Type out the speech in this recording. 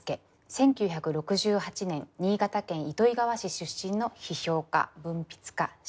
１９６８年新潟県糸魚川市出身の批評家文筆家詩人でいらっしゃいます。